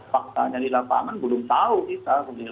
faktanya di lapangan belum tahu kita